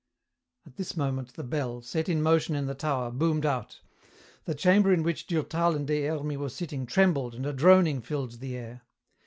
At this moment the bell, set in motion in the tower, boomed out. The chamber in which Durtal and Des Hermies were sitting trembled and a droning filled the air.